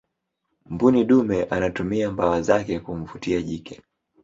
mbuni dume anatumia mbawa zake kumvutia jike